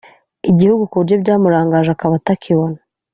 igihugu ku buryo byamurangaje akaba atakibona